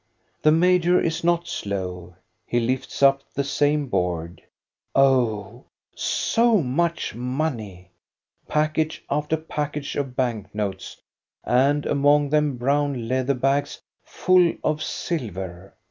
The major is not slow ; he lifts up the same board. Oh, so much money f Package after package of 134 THE STORY OF GOSTA BE RUNG bank notes, and among them brown leather bags, full of silver.